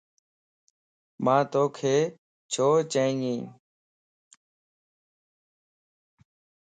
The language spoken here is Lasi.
مان توک ڇو چين يَ